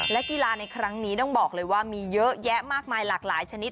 และกีฬาในครั้งนี้ต้องบอกเลยว่ามีเยอะแยะมากมายหลากหลายชนิด